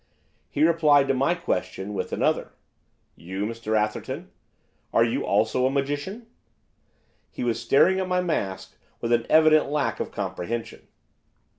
He replied to my question with another. 'You, Mr Atherton, are you also a magician?' He was staring at my mask with an evident lack of comprehension.